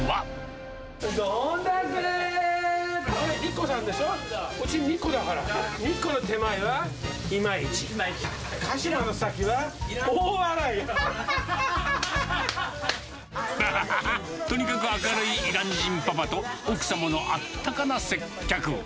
ははははっ、とにかく明るいイラン人パパと、奥様のあったかな接客。